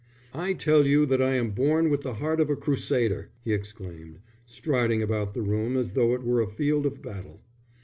"I tell you that I am born with the heart of a crusader," he exclaimed, striding about the room as though it were a field of battle.